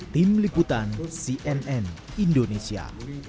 tim liputan cnn indonesia